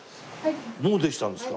もうできたんですか？